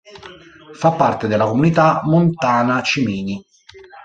Fa parte della Comunità Montana Cimini.